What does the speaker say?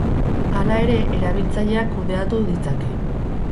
Hala ere, erabiltzaileak kudeatu ditzake.